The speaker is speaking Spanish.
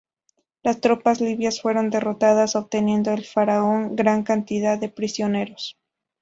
Las tropas libias fueron derrotadas, obteniendo el faraón gran cantidad de prisioneros.